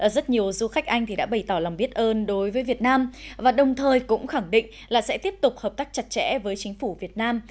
rất nhiều du khách anh đã bày tỏ lòng biết ơn đối với việt nam và đồng thời cũng khẳng định là sẽ tiếp tục hợp tác chặt chẽ với chính phủ việt nam